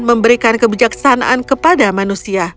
memberikan kebijaksanaan kepada manusia